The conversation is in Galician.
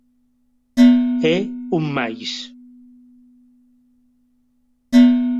É un máis.